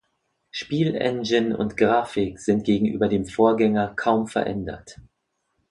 Spiel-Engine und Grafik sind gegenüber dem Vorgänger kaum verändert.